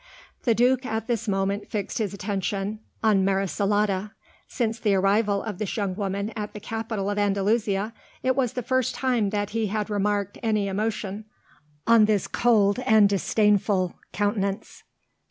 The Duke at this moment fixed his attention on Marisalada. Since the arrival of this young woman at the capital of Andalusia, it was the first time that he had remarked any emotion on this cold and disdainful countenance.